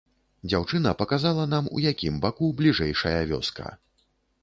Дзяўчына паказала нам, у якім баку бліжэйшая вёска.